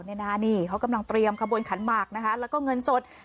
นี่เขากำลังเตรียมขบวนขันหมากนะคะแล้วก็เงินสด